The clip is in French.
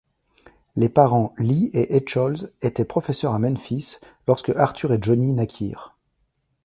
Les parents Lee et Echols étaient professeurs à Memphis, lorsque Arthur et Johnny naquirent.